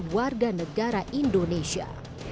kewarganegaraan negara indonesia